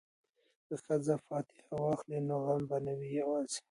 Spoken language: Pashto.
که ښځې فاتحه واخلي نو غم به نه وي یوازې.